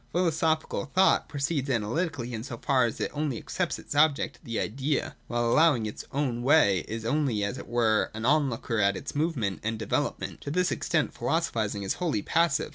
Philosophical thought proceeds analytically, in so far as it only accepts its object, the Idea, and while allowing it its own way, is only, as it were, an on looker at its movement and development. To this extent philosophising is wholly passive.